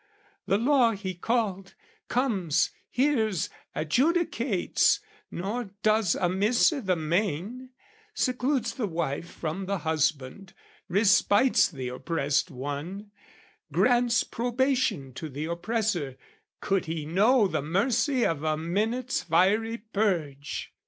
The law he called, comes, hears, adjudicates, Nor does amiss i' the main, secludes the wife From the husband, respites the oppressed one, grants Probation to the oppressor, could he know The mercy of a minute's fiery purge!